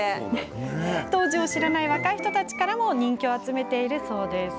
当時を知らない若い人たちからも人気を集めているそうなんです。